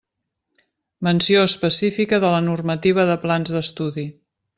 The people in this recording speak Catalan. Menció específica de la normativa de plans d'estudi.